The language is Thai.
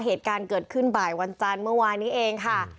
เหตุการณ์เกิดขึ้นบ่ายวันจันทร์เมื่อวานนี้เองค่ะ